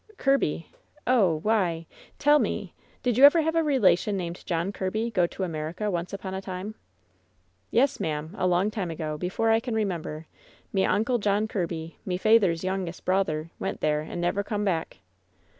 " ^Kirby !' Oh — why Tell me, did you have a relation named John Kirby go to America once upon a time?" "Yes, ma'am, a long time ago, before I can remember, me Oncle John Kirby, me feyther's yo'ngest brawther, went there and never come back."